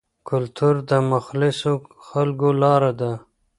کلتور د مخلصو خلکو لاره ده.